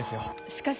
しかし。